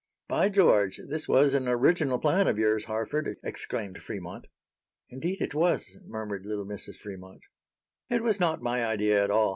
"By George! this was an original plan of yours, Harford," exclaimed Fremont. "Indeed it was," murmured little Mrs. Fremont. "It was not my idea at all.